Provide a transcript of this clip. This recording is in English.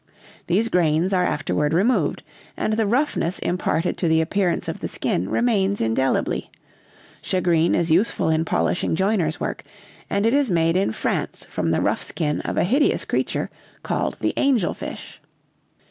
These grains are afterward removed, and the roughness imparted to the appearance of the skin remains indelibly; shagreen is useful in polishing joiners' work, and it is made in France from the rough skin of a hideous creature called the angel fish."